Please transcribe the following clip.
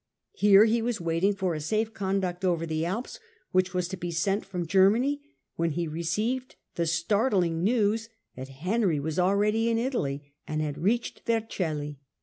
Here he was waiting for a safe conduct over the Alps which was to be sent from Ger many, when he received the startling news that Henry was already in Italy and had reached Vercelli.